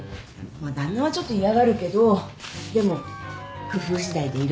まあ旦那はちょっと嫌がるけどでも工夫しだいで色々できるから。